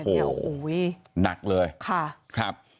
เนี่ยโอ้โหหนักเลยค่ะ